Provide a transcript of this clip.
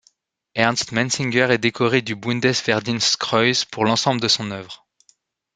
Ernst Mensinger est décoré du Bundesverdienstkreuz le pour l'ensemble de son œuvre.